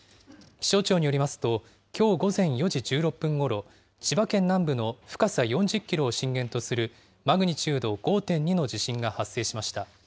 気象庁によりますと、きょう午前４時１６分ごろ、千葉県南部の深さ４０キロを震源とするマグニチュード５．２の地震が発生しました。